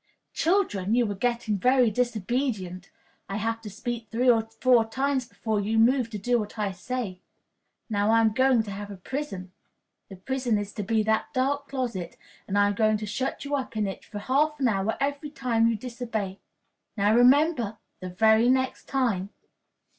"Children, you are getting very disobedient. I have to speak three or four times before you move to do what I say. Now, I am going to have a prison. The prison is to be that dark closet, and I am going to shut you up in it for half an hour every time you disobey. Now, remember! The very next time!"